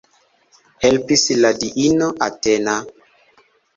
Helpis la diino Atena.